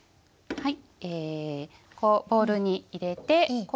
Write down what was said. はい。